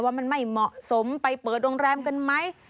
ว่ามันไม่เหมาะสมไปเปิดโรงแรมกันไหม